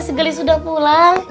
segali sudah pulang